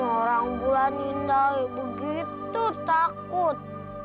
orang bulan hindari begitu takut